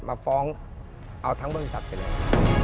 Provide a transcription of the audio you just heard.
มาฟ้องเอาทั้งบริษัทไปเลย